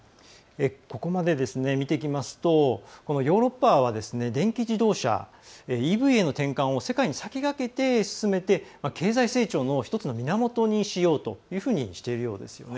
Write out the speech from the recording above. ここまで見てきますと、ヨーロッパは電気自動車＝ＥＶへの転換を世界に先駆けて進めて経済成長の１つの源にしようとしているようですよね。